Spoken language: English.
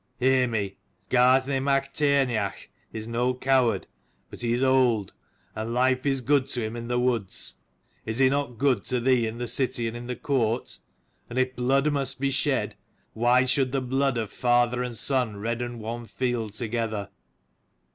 Hear me. Gartnaidh mac Tairneach is no coward, but he is old : and life is good to him in the woods : is it not good to thee in the city and in the court ? And if blood must be shed, why should the blood of father and son redden one field together